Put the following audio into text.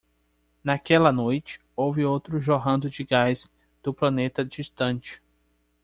Naquela noite, houve outro jorrando de gás do planeta distante.